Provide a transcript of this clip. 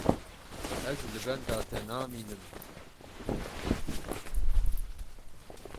Ez li benda te namînim.